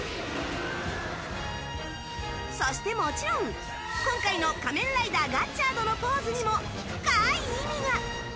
そしてもちろん、今回の仮面ライダーガッチャードのポーズにも、深い意味が！